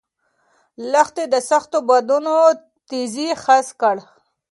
لښتې د سختو بادونو تېزي حس کړه.